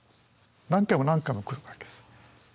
何回も何回も来るわけです。